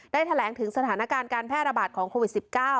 แถลงถึงสถานการณ์การแพร่ระบาดของโควิด๑๙